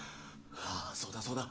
ああそうだそうだ。